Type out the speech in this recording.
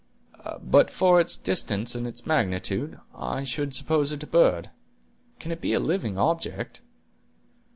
"But for its distance and its magnitude, I should suppose it a bird. Can it be a living object?"